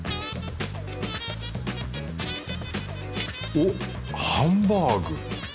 おっハンバーグ。